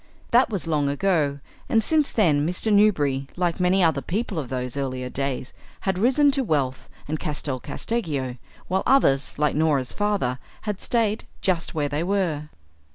That was long ago, and since then Mr. Newberry, like many other people of those earlier days, had risen to wealth and Castel Casteggio, while others, like Norah's father, had stayed just where they were.